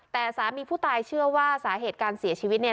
แต่สามีผู้ตายเชื่อว่าสาเหตุการเสียชีวิตเนี่ย